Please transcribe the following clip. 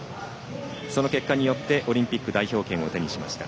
その結果によってオリンピック代表権を手にしました。